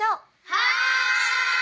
はい！